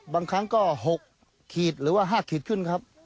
บางครั้งก็๖ขีดหรือว่า๕ขีดขึ้นครับ